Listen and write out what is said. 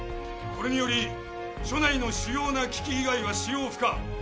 これにより署内の主要な機器以外は使用不可。